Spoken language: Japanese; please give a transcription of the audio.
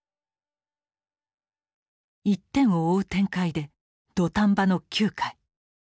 １点を追う展開で土壇場の９回。